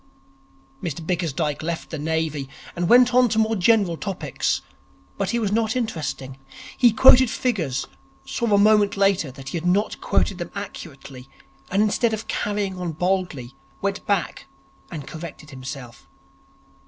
Mr Bickersdyke left the Navy, and went on to more general topics. But he was not interesting. He quoted figures, saw a moment later that he had not quoted them accurately, and instead of carrying on boldly, went back and corrected himself.